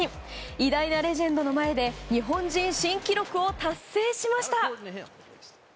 偉大なレジェンドの前で日本人新記録を達成しました。